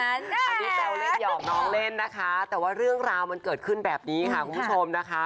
อันนี้แซวเล่นหยอกน้องเล่นนะคะแต่ว่าเรื่องราวมันเกิดขึ้นแบบนี้ค่ะคุณผู้ชมนะคะ